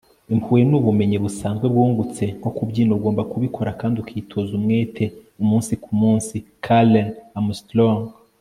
impuhwe nubumenyi busanzwe bwungutse, nko kubyina. ugomba kubikora kandi ukitoza umwete umunsi ku munsi. - karen armstrong